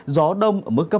gió đông ở mức cấp hai ba